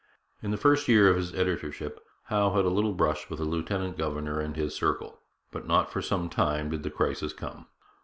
In the first year of his editorship Howe had a little brush with the lieutenant governor and his circle, but not for some time did the crisis come.